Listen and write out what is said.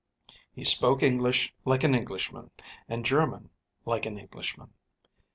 He spoke English like an Englishman and German like an Englishman.